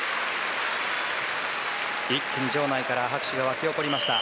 一気に場内から拍手が沸き起こりました。